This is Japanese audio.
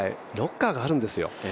ロッカーがあるんですよ。